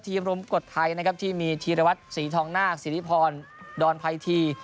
รมกดไทยนะครับที่มีธีรวัตรศรีทองนาคสิริพรดอนไพที